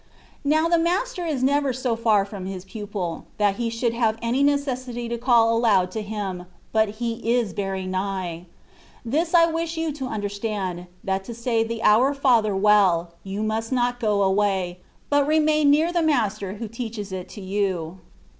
Now, the master is never so far from his pupil, that he should have any necessity to call aloud to him, but he is very nigh. This I wish you to under stand, that to say the " Our Father ^^ well, you must not go away, but remain near the Master who teaches it to you.